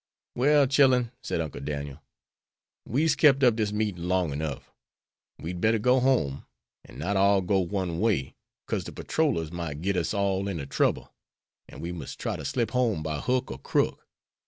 "Well, chillen," said Uncle Daniel, "we's kept up dis meeting long enough. We'd better go home, and not all go one way, cause de patrollers might git us all inter trouble, an' we must try to slip home by hook or crook."